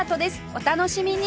お楽しみに！